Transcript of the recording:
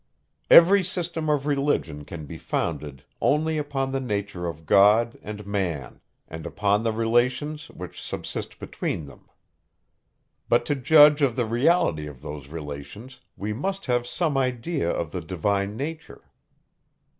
Every system of religion can be founded only upon the nature of God and man; and upon the relations, which subsist between them. But to judge of the reality of those relations, we must have some idea of the divine nature.